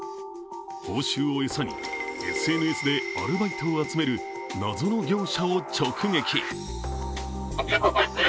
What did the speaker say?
報酬を餌に、ＳＮＳでアルバイトを集める謎の業者を直撃。